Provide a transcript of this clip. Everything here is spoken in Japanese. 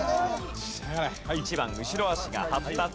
１番後ろ足が発達。